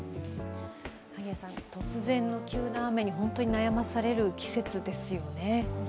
突然の急な雨に本当に悩まされる季節ですよね。